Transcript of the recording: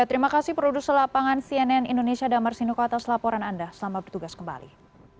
tarpantura jawa tengah